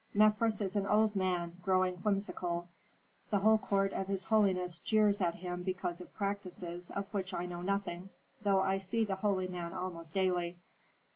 "Mefres is an old man growing whimsical. The whole court of his holiness jeers at him because of practices, of which I know nothing, though I see the holy man almost daily."